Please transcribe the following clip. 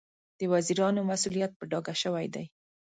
د وزیرانو مسوولیت په ډاګه شوی دی.